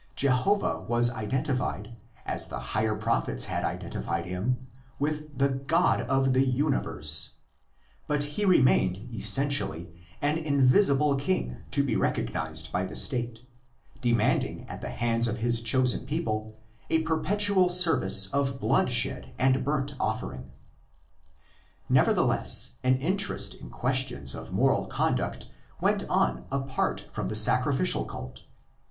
Jehovah was identified, as the higher prophets had identified him, with the God of the universe; but he remained essentially an invisible king to be recognised by the State, demanding at the hands of his chosen people a perpétual service of bloodshed and burnt offering. Nevertheless, an interest in questions of moral conduct went on apart from the sacrificial cult.